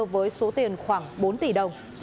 với số tiền khoảng bốn tỷ đồng